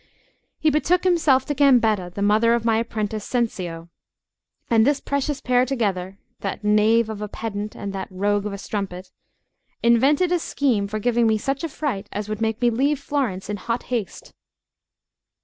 He betook himself to Gambetta, the mother of my apprentice Cencio; and this precious pair together that knave of a pedant and that rogue of a strumpet invented a scheme for giving me such a fright as would make me leave Florence in hot haste.